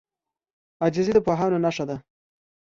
عاجزي د پوهانو نښه ده.